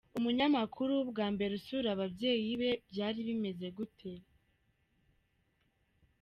Umunyamakuru:Bwa mbere usura ababyeyi be byari bimeze gute?.